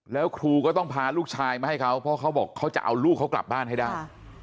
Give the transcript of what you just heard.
แล้วครูก็ต้องพาลูกชายมาให้เขาเพราะเขาบอกเขาจะเอาลูกเขากลับบ้านให้ได้